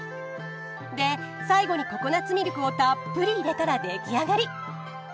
で最後にココナッツミルクをたっぷり入れたら出来上がり！